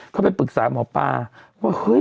เขาไปปรึกษาหมอปลาว่าเฮ้ย